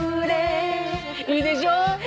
いいでしょ？